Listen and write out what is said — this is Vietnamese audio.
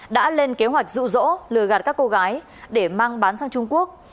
đã lên kế hoạch rụ rỗ lừa gạt các cô gái để mang bán sang trung quốc